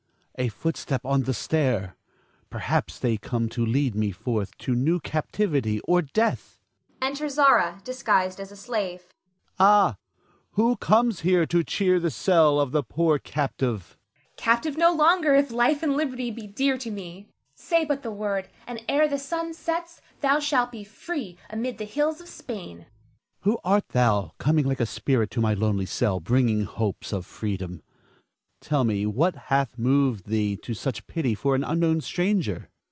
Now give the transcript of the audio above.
a footstep on the stair. Perchance they come to lead me forth to new captivity or death. [Enter Zara, disguised as a slave] Ah, who comes here to cheer the cell of the poor captive? Zara. Captive no longer, if life and liberty be dear to thee. Say but the word, and ere the sun sets thou shalt be free amid the hills of Spain. Ernest. Who art thou, coming like a spirit to my lonely cell, bringing hopes of freedom? Tell me, what hath moved thee to such pity for an unknown stranger? Zara.